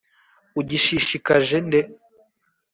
ugishishikaje nde.